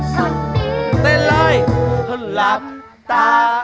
สักนิดหนึ่งคนหลับตา